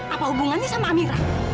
apa hubungannya sama amira